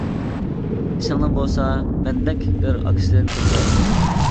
سىڭلىم بولسا مەندەك بىر ئاكىسىدىن كەچكەن ئىدى.